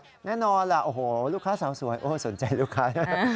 แน่นอนล่ะโอ้โหลูกค้าสาวสวยโอ้สนใจลูกค้านะ